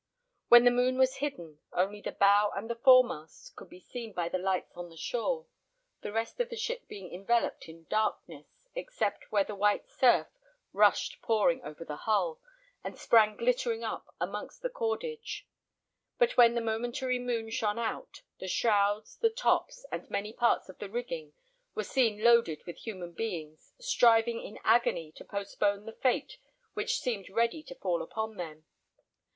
When the moon was hidden, only the bow and the fore mast could be seen by the lights on the shore, the rest of the ship being enveloped in darkness, except where the white surf rushed pouring over the hull, and sprang glittering up amongst the cordage; but when the momentary moon shone out, the shrouds, the tops, and many parts of the rigging, were seen loaded with human beings, striving in agony to postpone the fate which seemed ready to fall upon them.